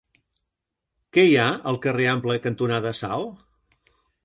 Què hi ha al carrer Ample cantonada Sal?